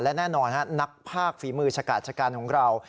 และแน่นอนนักภาคฝีมือชะกาดชการของเรา